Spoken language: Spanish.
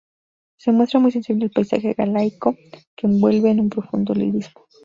Se muestra muy sensible al paisaje galaico que envuelve en un profundo lirismo.